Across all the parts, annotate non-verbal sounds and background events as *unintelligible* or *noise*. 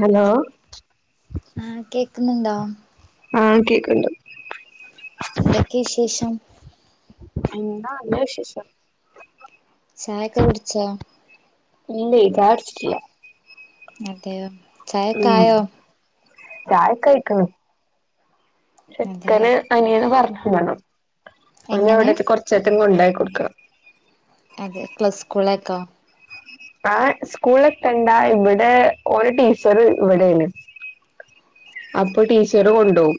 Hello ആഹ് കേക്കുന്നുണ്ടോ ആഹ് കേക്കണ്ട് എന്തൊക്കെയ വിശേഷം എന്താ അന്റെ വിശേഷം ചായൊക്കെ കുടിച്ചോ ഇല്ലെ ചായ കുടിച്ചിട്ടില്ല മറ്റേ ഉം ചായക്കായിക്കണ്‌ അതെ ചെക്കന് അനിയന്ന് പറഞ്ഞന്നണം ഒന് എങ്ങനെ അവിടെ കൊറച്ചേക്ക കൊണ്ടോയി കൊടുക്ക അതെ ക്ലസ് സ്കൂളേക്കോ ആഹ് സ്കൂളൊക്കെണ്ടാ ഇവിടെ ഒരു ടീച്ചറ് ഇവിടേയ്നു അപ്പൊ ടീച്ചറ് കൊണ്ടപോകും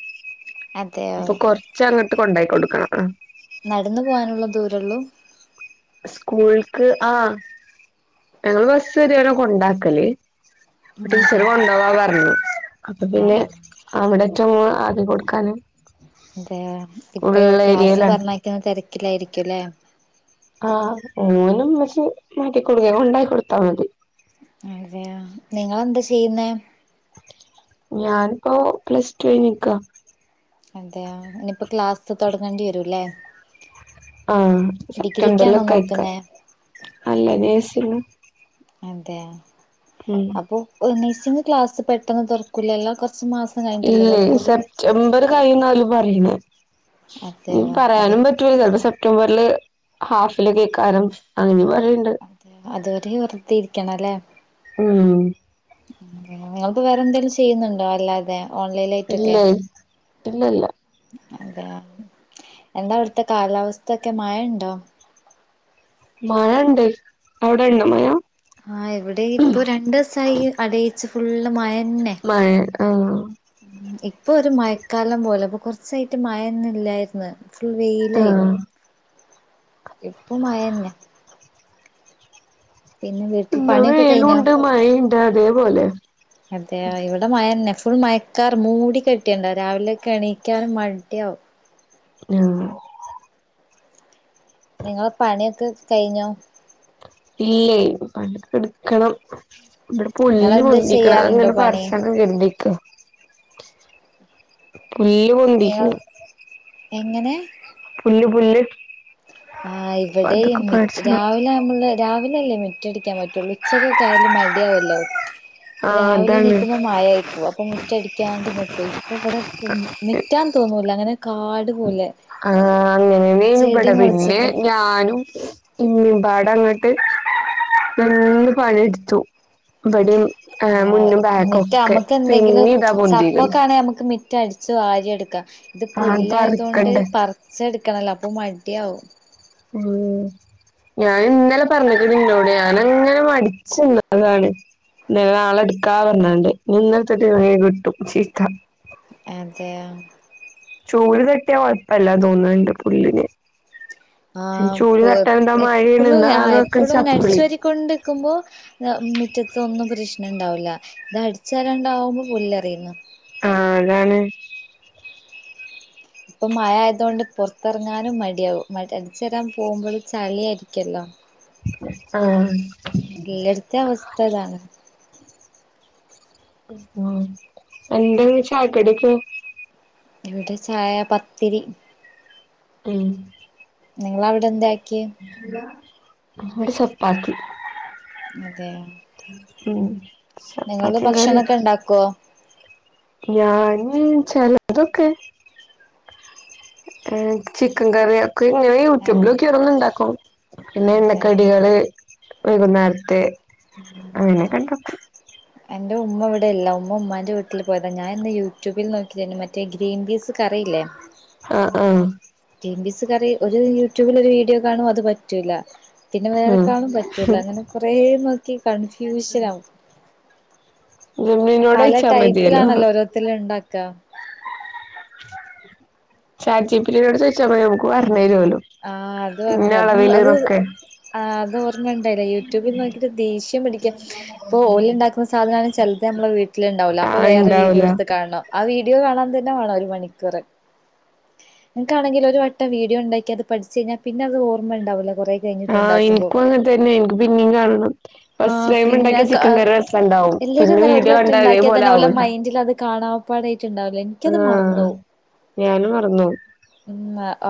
അതെയോ അപ്പൊ കൊറച്ച അങ്ങട്ട് കൊണ്ടായി കൊടുക്കണം ആഹ് നടന്നു പോകാനുള്ള ദൂരെള്ളൂ സ്കൂൾക്ക് ആഹ് ഞങ്ങള് ബസ്സ് കേറിയവനെ കൊണ്ടാക്കല് അപ്പൊ അതെ ടീച്ചറും കൊണ്ടോവാ പറഞ്ഞ്, അപ്പൊ ആഹ് പിന്നെ ആഹ് അവിട ഏറ്റോ ആദ്യ കൊടുക്കാന് അതെ ഇപ്പ ക്ലാസ് ഉള്ളേരിയേലാണ് പറഞ്ഞയ്ക്കുന്ന തിരക്കിലായിരിക്കും അല്ലേ ആഹ് ഓനും മ്മെച്ചി മാറ്റികൊടുക്ക കൊണ്ടാക്കി കൊടുത്താൽ മതി അതെയാ നിങ്ങളെന്താ ചെയ്യുന്നേ ഞാനിപ്പോ പ്ലസ് ടു കയിഞ്ഞു നിക്ക അതെയ ഇനിയിപ്പോ ക്ലാസ് തുടങ്ങേണ്ടി വരൂല്ലേ ആഹ് ഡിഗ്രിക്കാണോ സെപ്റ്റംബറിലൊക്കെ ആയിക്കാ നോക്കുന്നേ അല്ല ജേസു അതെ ഉം അപ്പൊ നഴ്സിംഗഗ് ക്ലാസ് പെട്ടന്ന് തുറക്കൂലല്ലോ കൊറ ഇല്ലെ സെപ്റ്റംബർ കഴിയുന്നാ ഓല് പറയുന്നേ അതെയോ അത് പറയാനും പറ്റ ചൽപ്പോ സെപ്റ്റംബറില് ഹാഫില് അയ്ക്കാനും അങ്ങനെ പറണ്ട് അതെ അതുവരെ വെറുതെ ഇരിക്കണം അല്ലേ ഉം നിങ്ങൾത് വേറെന്തെങ്കിലും ചെയ്യുന്നുണ്ടോ അല്ലാതെ ഓൺലൈനായിട്ടൊക്കെ ഇല്ലെ ഇല്ലല്ല അതെയോ എന്താ അവിടുത്തെ കാലാവസ്ഥൊക്കെ, മയേണ്ടോ? മഴ ഉണ്ട് അവിടെ ഉണ്ടോ മയ? ആഹ് ഇവിടെ ഇപ്പൊ രണ്ടൂസായി അടയിച്ച് ഫുള്ള് മയന്നെ മഴ ആഹ് ഇപ്പൊ ഒരു മയക്കാലം പോലെ അപ്പൊ കൊറച്ചായിട്ട് മയയൊന്നും ഇല്ലാരുന്നു ഫുൾ വെയ്ൽ ലായിനു ആഹ് ഇപ്പ മയന്നെ പിന്നെ വീട്ടിൽ ഇന്ന് പണിയൊക്കെ കഴിഞ്ഞോ വെയിലുംണ്ട് മഴേണ്ട് അതേപോലെ അതെയോ ഇവിടെ മയന്നെ ഫുൾ മയക്കാറ് മൂടി കെട്ടിയാണ്ടാവ രാവിലെക്കെ എണീക്കാന് മടിയാവും. ആഹ് നിങ്ങളെ പണിയൊക്കെ കയിഞ്ഞോ? ഇല്ലേ പണിക്കെടുക്കണം ഇവിടെ പുല്ല് നിങ്ങളെന്ത് പൊന്തിക്ക്ണ് ചെയ്യാറുണ്ടോ അങ്ങനെ പണി പറിച്ചാണ് എന്തീക്ക പുല്ല് നിങ്ങൾ പൊന്തീക്ക്ണ് എങ്ങനെ പുല്ല് പുല്ല് ആഹ് അപ്പൊ ഇവിടേം അതൊക്കെ മിറ്റ് പറിച്ചണം രാവിലെ നമ്മള് രാവിലെല്ലേ മിറ്റടിക്കാൻ പറ്റുള്ളു ഉച്ചക്കൊക്കെ ആയാലും മടിയാവുല്ലോ ആ രാവിലെ അതാണ് എണീക്കുമ്പോ മയയാകും ക്കും അപ്പൊ മുറ്റടിക്കാണ്ട് നിക്കു ഇപ്പൊ ഇവിടെ ഇപ്പം മിറ്റാന്ന് തോന്നൂല അങ്ങനെ കാട് പോലെ ആഹ് അങ്ങനെന്നേനു ചെടി ഇവിടെ പിന്നെ മുളച്ചൊക്കെ ഞാനും ഇന്നിമ്പാടങ്ങോട്ട് നന്ന് പണിയെടുത്തു ഇവിടെയും ആഹ് മുന്നും മിറ്റ ബാക്കൊക്കെ പിന്നെ ഇതാ പൊന്തീക്ക്ണ് ങ്ങനാണേ അമ്മുക്ക് മിറ്റ് റ്റ അടിച്ചു വാരി എടുക്കാം ഇത് ആ പുല്ലായത് കൊണ്ട് പറിക്കണ്ടേ പറിച്ചെടുക്കണല്ലോ അപ്പൊ മടിയാവും. ഉം ഞാനിന്നലെ പറഞ്ഞിക്ണ് ഇന്നോടെ ഞാനങ്ങനെ മടിച്ചിന്നതാണ് ന്ന് ആളെടുക്കാറന്നണ്ട് ഇനി ഇന്ന്ലെ തൊട്ട് എനിക്ക് കിട്ടും ചീത്ത അതെയോ ചൂല് തട്ടിയാ കൊഴപ്പല്ല തോന്നുന്നു ഇൻ്റെ പുല്ലിന് ചൂല് ആഹ് തട്ടാൻണ്ടോ മഴയും നിന്ന് അതൊക്കെ ചപ്പിളി കൊണ്ടിക്കുമ്പോൾ മിറ്റത്ത് ഒന്നും പ്രശ്നം ഇണ്ടാവില്ല ഇത് അടിച്ചാല ഉണ്ടാവുമ്പോ പുല്ലറിയുന്നു ആഹ് അതാണ് ഇപ്പൊ മഴ ആയതോണ്ട് പുറത്തിറങ്ങാനും മടിയാകും മടി അടിച്ചു വാരാൻ പോകുമ്പോൾ ചളിയാരിക്കുല്ലോ ആഹ് എല്ലട്ത്തേം അവസ്ഥ ഇതാണ്. ഉം എന്താന്ന് ചായക്കടിക്കെ ഇവിടെ ചായ പത്തിരി ഉം നിങ്ങളവിടെന്താക്കി ഇവടെ ചപ്പാത്തി അതെയോ ഉം നിങ്ങള് ചപ്പാത്തിയും കറിം ഭക്ഷണൊക്കെ ഇണ്ടാക്കോ? ഞാന് ചെലതൊക്കെ ചിക്കൻ കറിയ ഇങ്ങനെ ആഹ് യൂട്യൂബിലൊക്കെ ഓരെന്ന് ഉണ്ടാക്കും പിന്നെ അതെ എണ്ണക്കടികള് വൈകുന്നേരത്തെ അങ്ങനെ ഒക്കെ ഉണ്ടാക്കും ഉ *unintelligible* എൻ്റെ ഉമ്മ ഇവിടെയില്ല ഉമ്മ ഉ്മാൻ്റെ വീട്ടിൽ പോയതാണ് ഞാൻ ഇന്ന് യൂട്യൂബിൽ നോക്കിയി മറ്റേ ഗ്രീൻ പീസ് കറിയില്ലേ ആഹ് ആഹ് ഗ്രീൻ പീസ് കറി ഒരു യൂട്യൂബിൽ ഒരു വീഡിയോ കാണും അത് പറ്റൂല്ല. പിന്നെ വേറെ ഉം കാണും പറ്റൂല അങ്ങനെ കൊറേ നോക്കി കൺഫ്യൂഷൻ ആകും *inaudible* പല മതിയല്ലോ ടൈപ്പിലാണല്ലോ ഓരോരുത്തരും ഉണ്ടാക്ക ചാറ്റ് ജിപി ടീം നോട് ചോദിച്ചാൽ മതി ഒരു പറഞ്ഞു തരും ആഹ് അത് പറഞ്ഞ് അത് ആഹ് അതോർമ്മണ്ടയില യൂട്യൂബിൽ നോക്കിട്ട് ദേഷ്യം പിടിക്ക. ഇപ്പൊ ഓയിണ്ടാക്കുന്ന സാധനാണ് ചെൽ ചെലപ്പോ നമ്മളെ വീട്ടില്ണ്ടാവൂല്ല. അപ്പോ ആഹ് വേറെ ഇണ്ടാവൂല വീഡിയോസ് കാണണം ആ വീഡിയോ കാണാൻ തന്നെ വാണം ഒരു മണിക്കൂർ. ഇൻക്കാണെങ്കിൽ ഒരു വട്ടം വീഡിയോ ഇണ്ടാക്കിയത് പഠിച്ചഴിഞ്ഞാ പിന്നെ അതോർമ്മ ഇണ്ടാവൂല്ല കൊറേ ആഹ് ഇൻക്കു അങ്ങൻ തന്നെ ഇൻക്ക് പിന്നിം കാണണം. ഫസ്റ്റ് ടൈം ഇണ്ടാക്കിയ ചിക്കൻ കറി റെ എല്ലരുങ്ങനെ ഒരുവട്ടം ഇണ്ടാക്കിയ തന്നെ ഓല ആവൂല മൈൻഡിലത് കാണാ. പ്പാടായിട്ടുണ്ടാവില്ലെ ഇൻക്കത് ആഹ് മറന്നോവും. ഞാനും മറന്നോവും ഉം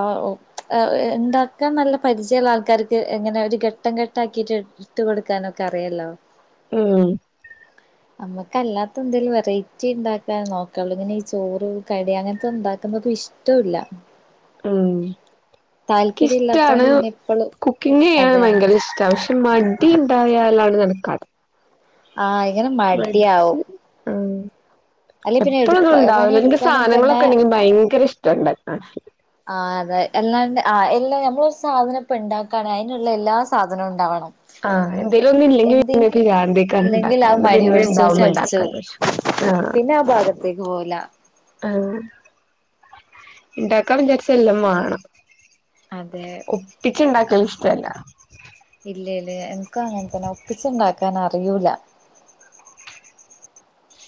ആഹ് *inaudible* അ അ് ഇണ്ടാക്കാൻ നല്ല പരിചയള്ള ആൾക്കാർക്ക് എങ്ങനെ ഒരു ഘട്ടം ഘട്ടാക്കീട്ട് ഇട്ട് കൊടുക്കാനൊക്കെ അറിയല്ലോ. ഉം *inaudible* നമ്മക്കല്ലാത്ത എന്തേലും വെറൈറ്റി ഉണ്ടാക്കാ നോക്കുള്ളു. ഇങ്ങനെ ഈ ചോറ് കടി അങ്ങൻത്തൊന്ന് ഇണ്ടാക്കുന്നതു ഇഷ് പറ്റൂല്ല ഉം താല്പര്യം ക്കിഷ്ടാണ് ഇല്ലാത്തോണ്ട് പിന്നെ എപ്പളും കുക്കിങ്ങെയ്യാൻ അതെ ഭയങ്കര ഇഷ് ഭയങ്കര ഇഷ്ടാ പിന്നെ മടി ഇണ്ടായാൽ ആണ് നടക്കാതെ. ആഹ് എങ്ങനെ മ മടിച്ച ആഹ് അല്ലെ പിന്നെ എടു പണി എപ്പളൊന്നുണ്ടാവൂല. ഇൻക്ക് എടുക്കാണെങ്കി തന്നെ സാനങ്ങളൊക്കെണ്ടെങ്കി ഭയങ്കര ഇഷ്ടാണ്ടാക്ക്ണ്. ആഹ് അതെ എല്ലാണ്ട് ആഹ് എല്ലാ നമ്മളൊരു സാധനപ്പ ഇണ്ടാക്കാണ് അയിനുള്ള എല്ലാ സാധനോണ്ടാവണം. ആഹ് എന്തേലൊന്നു ഇല്ലെങ്കിൽ പിന്നെ ഭ്രാന്ത് ആയി കാരണം ഇല്ലെങ്കിൽ ഇണ്ടാക്കാന് അത് ന്ന മടി പിന്നെ പിടിച്ച് ഇണ്ടാവുമ്പോ ചടിച്ചു പോവും. ഇണ്ടാക്കാച്ചും പിന്നെ ആ ഭാഗത്തേക്ക് പോവുലാ. ആഹ് ഇണ്ടാക്കാൻ വിചാരിച്ച എല്ലം മാണം. അതെ ഇച്ചിണ്ടാക്കാൻ ഇഷ്ടല്ല. ഇല്ലേലേ ഇൻക്കുഅങ്ങൻ തന്നെ ഒപ്പിച്ചിണ്ടാക്കാൻ അറിയൂല.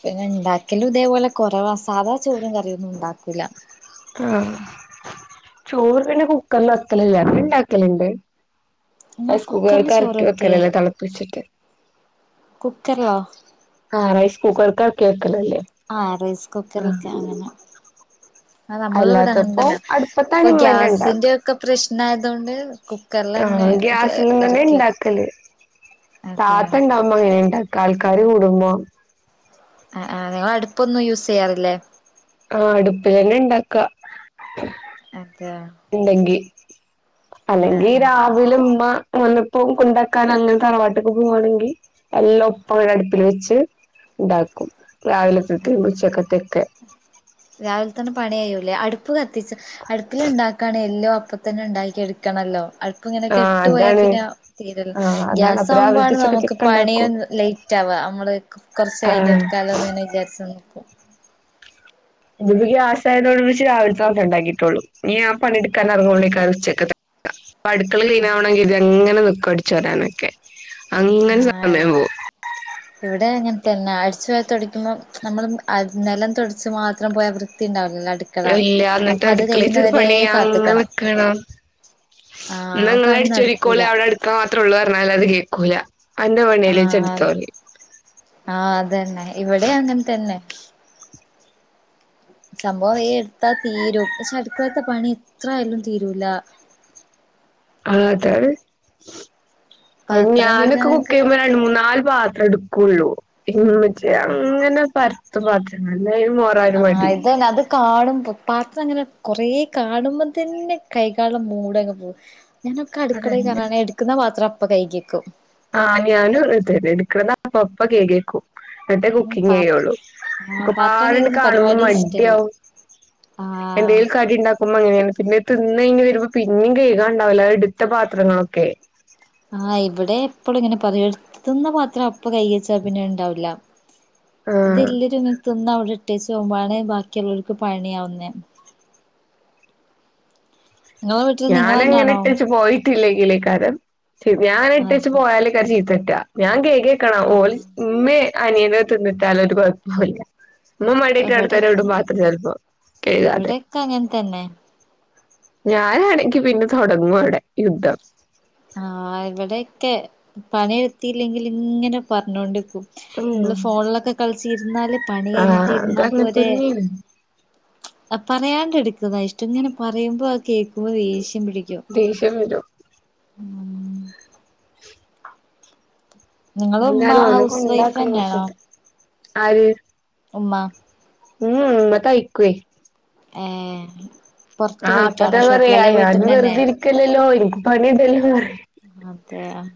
പിന്നെണ്ടാക്കലും ഇതേപോലെ കൊറവാ സാദാ ചോറും കറിയൊന്നുണ്ടാക്കൂല്ല. ആഹ് ചോറ് പിന്നെ കുക്കറ്ൽ വെക്കലല്ലേ അതുണ്ടാക്കലുണ്ട്. നിങ്ങൾ കുക്കറിൽ ചോറ് റെസ്കൂക്കർക്കറക്കി വെക്കേ വെക്കലല്ലേ തൾപ്പിച്ചിട്ട്. കുക്കർലോ? ആഹ് റൈസ് കുക്കറിൽ അക്കി വെക്കലല്ലേ. ആഹ് റൈസ് ആഹ് കുക്കറ്ക്ക് അങ്ങനെ. ആഹ് നമ്മളിവ്ടെ അല്ലാത്തപ്പോ അങ്ങൻതന്നാ. അടുപ്പത്താണ് ഇപ്പൊ ഇമ്മന്നെ ഇണ്ടാക്ക ഗ്യാസിൻ്റൊക്കെ പ്രശ്നായതൊണ്ട് ആഹ് ഗ്യാസിൻനന്നെ വെക്കും ഇണ്ടാക്കല്. അതെയോ താത്ത ഇണ്ടാ വേണ്ട ആൾക്കാര് കൂടുമ്പോ ആഹ് ആഹ് ഇങ്ങൾ അടുപ്പൊന്നു യൂസെയ്യാറില്ലേ? ആഹ് അടുപ്പിലെന്നെ ഇണ്ടാക്ക. അതെ ഇണ്ടെങ്കി ആ അല്ലെങ്കി ആ രാവിലുമ്മ വന്നപ്പോ കൊണ്ടാക്കാൻ അങ്ങൻ തറവാട്ട്ക്ക് പോവാണെങ്കി എല്ലോ ഒപ്പം ഒരടുപ്പിൽ വെച്ച് ഇണ്ടാക്കും രാവിൽക്കത്തിം ഉച്ചക്കത്തെയൊക്കെ. രാവിലെ തന്നെ പണിയയൂല്ലേ? അടുപ്പ് കത്തിച്ച് അടുപ്പിലുണ്ടാക്കാണ് എല്ലോ അപ്പ തന്നെ ഇണ്ടാക്കി എടുക്കണല്ലോ. അ ആഹ് കെട്ടു പോയാ അതാണ് പിന്നെ തീരൽ. ആഹ് അതാണ് അപ്പൊ രാവിലത്തെ ഗ്യാസാവുമ്പാണ് നമുക്ക് ഉച്ചക്കത്തെക്കെ ഇണ്ടാക്കും പണിയൊന്ന് ലെയ്റ്റാവാ അമ്മള് ആഹ് കൊറ്ച്ചയ്ഞ്ഞിട്ടെടുക്കാല്ലോ വിചാരിച്ച് നിക്കും. ഇതുപ്പോ ഗ്യാസായതോണ്ട് പ്പിച്ച് രാവിൽത്തൊക്കെ ഇണ്ടാക്കിയിട്ടൊള്ളൂ. ഇനി ഞാ പണിടുക്കാനറുങ്ങള്ളെയ്‌ക്കാരം ഉച്ചക്കത്തെ അടുക്കള ക്ലീനാവണെങ്കി ഇതങ്ങനെ നിക്കു അടിച്ചോരാനൊക്കെ. ആഹ് ഇവിടെ അങ്ങൻത്തന്നെ. അട്ച്ചോരി തൊട്ക്കുമ്പോം നമ്മള് നെലം തൊടച്ച് മാത്രം പോയാ വൃത്തിയുണ്ടാവില്ല. നടു ഇല്ലാ ന്നിട്ട് അടുക്കളീത്തെ പണിയയ്യാങ്ങെ കാത്ത്ക്കണം നിക്കണം. ആഹ് ആ ഇന്നങ്ങള് പണി നടക്കൂല അടിച്ചൊരിക്കോളി അവിടട് മാത്രൊള്ളൂ പറഞ്ഞാലത് കേൾക്കൂല അന്റെ പണിയല്ലെ ആഹ് ഇജ്ജ്ട്ത്തോറിം. ആഹ് അതെന്നെ ഇവടിം അങ്ങൻതെന്നെ. സംഭവം ഈ എടുത്താൽതീരും പക്ഷെ അടുക്കളേത്തെ പണിഎത്രയാലും തീരൂല. ആഹ് അതാണ് അയ്ന് പാത്രം ഞാനൊക്കെ കഴുകാനൊക്കെ കുക്കെയ്യുമ്പോ രണ്ട് മൂന്നാല് പാത്രം ഇട് കൊള്ളു ഇമ്മച്ചി ആഹ് അങ്ങനെ പരത്തും പാത്രങ്ങൾ ഒരു ആഹ് മടിയില്ല ഇതെന്നെഅത് കാണുമ്പോ പാത്രങ്ങനെ കൊറേ കാണുമ്പോതെന്നെ കൈകാള്ള മൂടങ് പോവും. ഞാനൊക്കെ അതന്നെ അടുക്കളയികേറാണെങ്കിൽ എടുക്കുന്ന പാത്രംഅപ്പ കൈകിവെക്കും. ആഹ് ഞാനുംഅങ്ങൻതെന്നെ ഇട്ക്ക്ണത് അപ്പ, അപ്പ കൈകിവെക്കും. ന്ന്ട്ടേ ഉം കുക്കിങ് പാത്രം ചെയ്യൊള്ളൂ ആഹ് പാത്രം ഒക്കെപാടെണ് കൈകുന്ന കാണുമ്പോ പരിപാടി ഇഷ്ടല്ല മടിയവും. ആഹ് എന്തേലും കടിണ്ടാ നോകുമ്പോ അങ്ങനെണ് പിന്നെ തിന്നയ്ഞ് വെരുമ്പോ പിന്നെ കേഴുകാണ്ടാവുലെ അത് ഇട്ത്തപാത്രങ്ങളൊക്കെ. ആഹ് ഇബടെ എപ്പളുംഇങ്ങനെപറയും തിന്നപാത്രം ഇപ്പൊ കൈയ്കിച്ചാ പിന്നെ ഇണ്ടാവില്ല ആഹ് ഇതെല്ല് ത്തിന്ന് അവിടെ ഇട്ടേച്ച് പോകുമ്പാണ് ബാക്കിയുള്ളവർക്ക് പണിയാവുന്നെ. നിങ്ങളെ വീട്ടില് ഞാനഅങ്ങനെ നിങ്ങളെന്നാണോ ഇട്ടച്ച് പോയിട്ടില്ലെങ്കിലയ്ക്കാരം ഞാൻ ഇട്ടച്ച് അതെ പോയാല് ചീത്തട്ടാ ഞാൻ കെയ്കിവെക്കണം ആഹ് ഇമ്മേ അനിയനോ തിന്നിട്ടാല് ഒരു കൊയപ്പൊല്ല. ഇമ്മ മടിയായിറ്റ് ഇവിടെക്കെ അട്തെന്നെഇടും ചെൽപ്പോ കെഴുകാതെ. ഇവിടെ അങ്ങൻതെന്നെ. ഞാനാണെങ്കി പിന്നെ തൊടങ്ങും അവിടെയുദ്ധം. ആഹ് ഇവിടെയൊക്കെ പണിടുത്തില്ലെങ്കി ഇങ്ങനെ പറഞ്ഞോണ്ട്ക്കും. അമ്മള് ഉം ഫോണിലൊക്കെ കളിച്ച് ഇര്ന്നാല് ആഹ് പണികഴിഞ്ഞിട്ട് അതങ്ങനെ ഇര്ന്നാപ്പോരെ തന്നെയാണ് പറയാണ്ട് എട്ക്കുന്ന ഇഷ്ട്ടം. ഇങ്ങനെ പറയുമ്പോ ആ കേക്കുമ്പോൾ ദേഷ്യം പിടിക്കും. ദേശ്യം വെരും. *unintelligible* നിങ്ങളെ ഉമ്മ എന്താലും അവനെ ഹൗസ് വൈഫ് തന്നെയാണോ കൊണ്ടാക്കണംകൊർച്ചയ്ഞ്ഞിട്ട് ആര്? ഉമ്മ ഇമ്മ തൈക്കുയ്. ഏഹ് പുറത്ത് ആഹ് പോയിട്ടാണോ അപ്പഅത് ഷോപ്പിൽ പറയാ അല്ലെ ഞാനും വീട്ടിന്ന് തന്നെ വെറുതെ ഇരിക്കല്ലല്ലോ ഇൻക്ക് പണിഇണ്ടല്ലോപറി. അതെ ആഹ്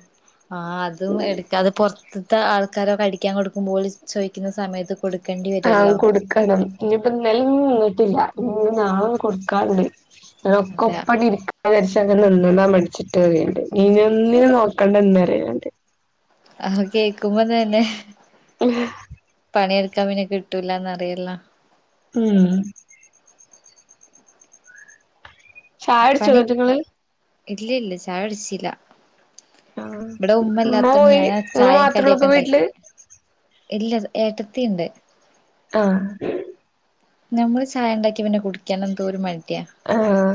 ആതും എടുക്കാതെ പൊർ ത്ത്ത്തെ ആൾക്കാരൊക്കെ അടിക്കാൻ കൊടുക്കുമ്പോ ഒല് ചോദിക്കുന്ന സമയത്ത്. കൊടുക്കേണ്ടി ആഹ് വരുവല്ലോ കൊടുക്കണം ഇനിപ്പൊ ഇനല്ലിം ഇന്നെന്നും നിന്നിട്ടില്ല ഇനിനാളെ കൊട്ക്കാണ്ട്. ന്നട്ട് അതെ ഒക്കെപ്പണിരിക്ക. ആലക്ഷക്കെനിന്ന് നിന്നാൻ മടിച്ചിട്ട്ണ്ട് ഞ്ഞിഇന്ന് നോക്കണ്ട ഇന്ന് പറയല്ണ്ട്. ആഹ് കേക്കുമ്പോതൊന്നെ *unintelligible* പണിയെടുക്കാൻ പിന്നെ കിട്ടൂലാന്ന് അറിയല്ലോ. ഉം ചായ കുടിച്ചോ പണി എന്നിട്ട് ഇങ്ങള് ഇല്ല ഇല്ല ചായാകുട്ച്ചില. ആഹ് ഇബടെ ഉമ്മ ഉമ്മല്ലാത്തോണ്ട് പോയി ഞാന ഇങ്ങള് ചായിം മാത്രേ ഉള്ളൂ കടിയൊക്കെ ഇപ്പൊ വീട്ടില് ഇണ്ടാക്കിയെ. ഇല്ല ഏട്ടത്തിയിണ്ട്. ആഹ് ഞമ്മള് ചായഇണ്ടാക്കിയ പിന്നെ കുടിക്കൻ എന്തോരുമടിയ. ആഹ്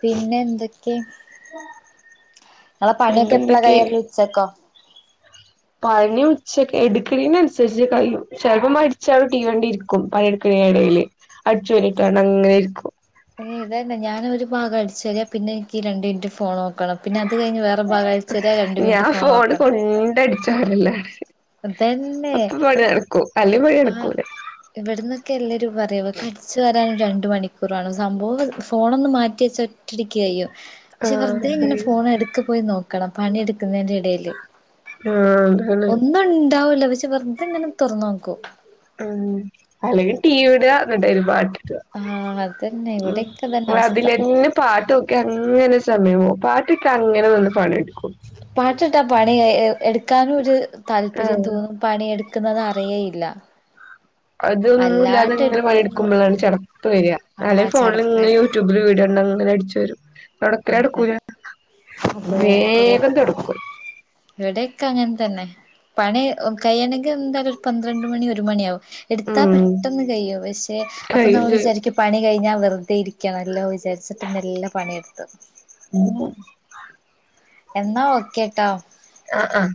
പിന്നെ എന്തൊക്കെ? *inaudible* ഇങ്ങളെ പണിയൊക്കെ എപ്പളാ പിന്നെന്തൊക്കെ കൈയ്യെല് ഉച്ചക്കോ? പണി ഉച്ച എടുക്ക്ണീന് നുസരിച് കയ്യും ചെല്പ്പ്പം മടിച്ചവി ടീവി കണ്ട് രിക്കും. ക്കും പണിട്ക്ണി എടയില് അടിച്ചുഓരിട്ടാണ്ട് അങ്ങനെഇരിക്കും. അനി ഇതന്ന ഞാനൊ ഒരു ഭാഗം അടിച്ചവേര പിന്നെ ഇന്ക്ക രണ്ടു മിനിറ്റ് ഫോൺ നോക്കണം പിന്നെ അത് കഴിഞ് വേ ഞാൻ ഫോണ് കൊണ്ട് അടിച്ചു വോരല്ലാണ്. ഇതന്നെ അപ്പൊ പണി നടുക്കൂം അല്ല പണി ആഹ് നടക്കൂല്ല. ഇവിടന്നൊക്കെ എല്ലരും പറയു ഇവക്ക് അടിച്ചു വരാാനൻ രണ്ട് മണിക്കൂറാണ് സംഭവം ഫോണ്. ഒന്ന് മാറ്റി വെച്ച *unintelligible* ആഹ് വെറുതെ ഇങ്ങനെ ശരി ഫോൺ എടുക്ക് പോയി നോക്കണം പണിയെടുക്കുന്നതിന്റെ ഇടയിൽ. ൾ ആ ആതണ്. ഒന്നും ഉണ്ടാവൂല്ല പക്ഷെ വെറത്തെ ങ്ങനെ തുറന്നു നോക്കും. ഉ അല്ലെങ്കിൽ ടിവി നട്ട് ന്നട്ട് അയില് പാട്ട് ഇട ആഹ അതന്നെ ഇവിടെക്കെ തന്നെ അവസ്ഥ. പാട്ടൊക്കെ അങ്ങനെ സമയമോ പാട്ടൊക്കെ അങ്ങനെ വന്ന് പണി എടുക്കും. പാട്ടിട്ടാ പണി എടുക്കാനും ഒരു താല്പര്യം ആഹ് തോന്നും. പണിയെടുക്കുന്നത് അറിയേയില്ല. അതൊന്നും ഇല്ലാതെ അല്ലാണ്ട് ഇങ്ങനെ പണി എടുക്കുമ്പോ എടുക്കുമ്പോഴാണ് ചെടപ്പ് വര ആഹ് അലേകിൽ ഫോണിൽ ചടപ്പ് ഇങ്ങനൊ യു വരും ട്യൂബിൽ വീടണ്ട അങ്ങനെ അടിചോരും. തോടകൽ നടുക്കൂല എന്താണ് അതെ വേക്കാം തോട്ക്കും. വിടെക്കെ അങ്ങനെ തന്നെ. പണി കഴണെങ്കിൽ എന്താലും ഒരു പന്ത്രണ്ട് മണി ഒരു മണിയാവും. എടുത്താൽ ഉം പെട്ടെന്ന് കഴിയും പക്ഷെ അപ്പൊ കഴിയും നമ്മൾ വിചാരിക്കും. പണി കഴിഞ്ഞാൽ വെറുതെ ഇരിക്കാം നല്ലോ വിചാരിച്ചിട്ട് മോല്ല പണിയെടുത്തു ഉം എന്നാ ഓക്കെ ട്ടോ ആ ആഹ്